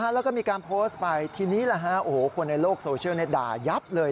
แล้วก็มีการโพสต์ไปทีนี้คนในโลกโซเชียลด่ายับเลย